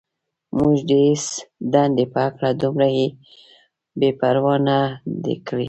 موږ د هېڅ دندې په هکله دومره بې پروايي نه ده کړې.